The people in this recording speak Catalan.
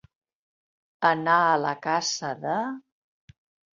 Anar a la caça de.